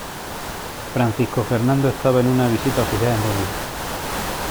Francisco Fernando estaba en una visita oficial en Bosnia.